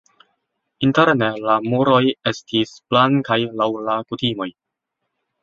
Interne la muroj estis blankaj laŭ la kutimoj.